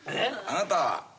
あなた。